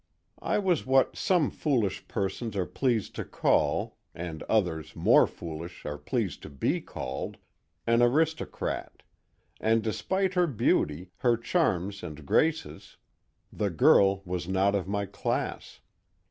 "I was what some foolish persons are pleased to call, and others, more foolish, are pleased to be called—an aristocrat; and despite her beauty, her charms and graces, the girl was not of my class.